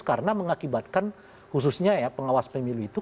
karena mengakibatkan khususnya ya pengawas pemilu itu